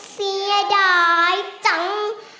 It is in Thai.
เสียดายจัง